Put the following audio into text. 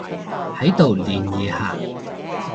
喺度聯誼下